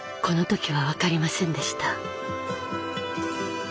この時は分かりませんでした。